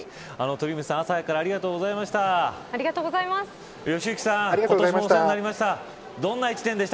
鳥海さん、朝からありがとうございました。